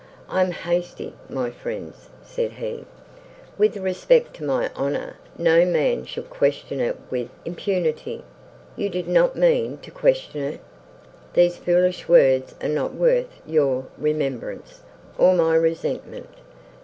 "I am hasty, my friends," said he, "with respect to my honour; no man shall question it with impunity—you did not mean to question it. These foolish words are not worth your remembrance, or my resentment.